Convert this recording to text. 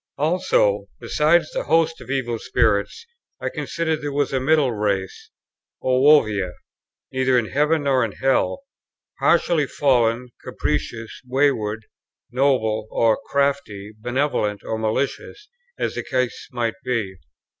'" Also, besides the hosts of evil spirits, I considered there was a middle race, [Greek: daimonia], neither in heaven, nor in hell; partially fallen, capricious, wayward; noble or crafty, benevolent or malicious, as the case might be.